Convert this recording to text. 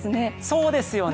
そうですよね。